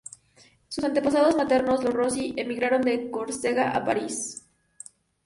Sus antepasados maternos, los Rossy, emigraron de Córcega a París.